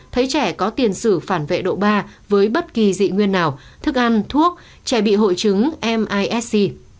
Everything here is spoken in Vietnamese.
thấy trẻ có tiền sử phản vệ độ ba với bất kỳ dị nguyên nào thức ăn thuốc trẻ bị hội chứng misc